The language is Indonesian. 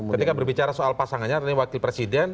ketika berbicara soal pasangannya ini wakil presiden